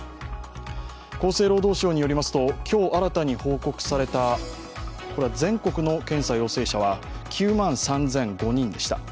厚生労働省によりますと、今日新たに報告された全国の検査陽性者は９万３００５人でした。